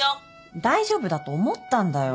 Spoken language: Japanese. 大丈夫だと思ったんだよ。